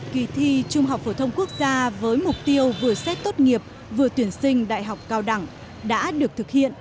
kỳ thi trung học phổ thông quốc gia với mục tiêu vừa xét tốt nghiệp vừa tuyển sinh đại học cao đẳng đã được thực hiện từ năm hai nghìn một mươi năm